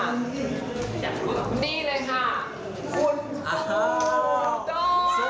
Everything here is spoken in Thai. นี่เลยค่ะคุณธูปโต๊ะ